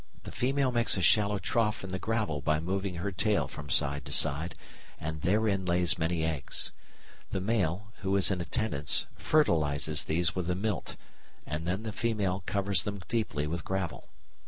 The female makes a shallow trough in the gravel by moving her tail from side to side, and therein lays many eggs. The male, who is in attendance, fertilises these with the milt, and then the female covers them deeply with gravel.